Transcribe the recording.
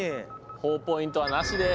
ほぉポイントはなしです。